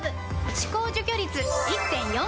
歯垢除去率 １．４ 倍！